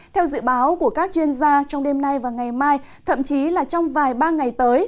theo dự báo của các chuyên gia trong đêm nay và ngày mai thậm chí là trong vài ba ngày tới